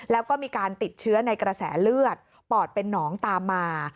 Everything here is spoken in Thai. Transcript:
แล้วก็มีการติดเชื้อในกระแสเลือดปอดเป็นหนองตามมา